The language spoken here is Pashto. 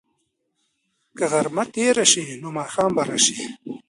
که غرمه تېره شي، نو ماښام به راشي.